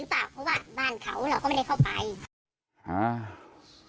เพราะว่าบ้านเขาเราก็ไม่ได้เข้าไป